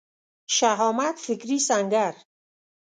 شهامت فکري سنګر